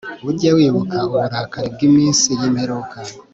ujye wibuka uburakari bw'iminsi y'imperuka